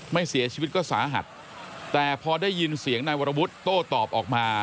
ไม่เสียชีวิตก็สาหัสแต่พอได้ยินเสียงนายวรวุฒิโต้ตอบออกมา